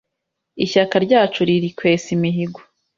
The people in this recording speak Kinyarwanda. Ishyaka ryacu riri kwesa imihigo.